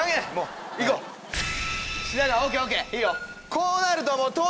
こうなるともう。